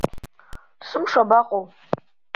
Сымш абаҟоу!